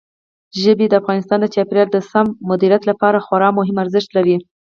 ژبې د افغانستان د چاپیریال د سم مدیریت لپاره خورا مهم ارزښت لري.